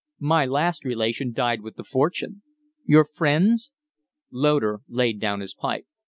"My last relation died with the fortune." "Your friends?" Loder laid down his pipe.